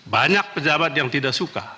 banyak pejabat yang tidak suka